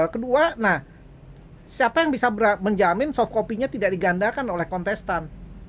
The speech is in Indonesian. kedua siapa yang bisa menjamin soft copy nya tidak digandakan oleh kontestan